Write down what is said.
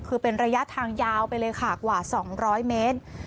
คือเป็นระยะทางยาวไปเลยค่ะกว่า๒๐๐เมตร